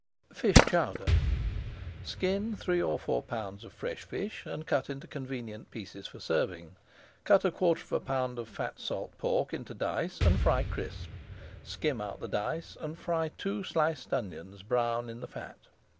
FISH CHOWDER Skin three or four pounds of fresh fish and cut into convenient pieces for serving. Cut a quarter of a pound of fat salt pork into dice, and fry crisp. Skim out the dice and fry two sliced onions brown in the fat.